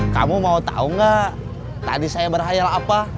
kamu mau tau gak tadi saya berhayal apa